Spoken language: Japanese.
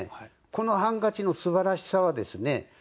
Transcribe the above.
このハンカチのすばらしさはですね